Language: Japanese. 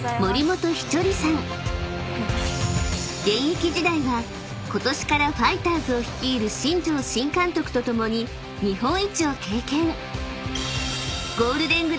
［現役時代はことしからファイターズを率いる新庄新監督と共に日本一を経験］